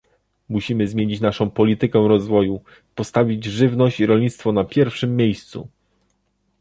Musimy zmienić naszą politykę rozwoju, postawić żywność i rolnictwo na pierwszym miejscu